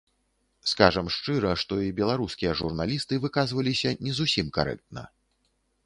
Скажам шчыра, што і беларускія журналісты выказваліся не зусім карэктна.